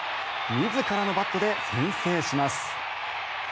自らのバットで先制します。